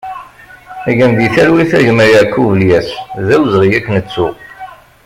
Gen di talwit a gma Yakub Lyas, d awezɣi ad k-nettu!